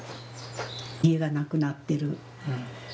家がなくなってる。